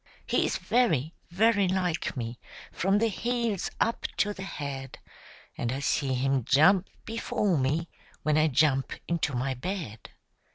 He is very, very like me from the heels up to the head; And I see him jump before me, when I jump into my bed.